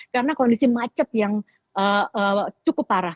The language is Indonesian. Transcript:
karena kondisi macet yang cukup parah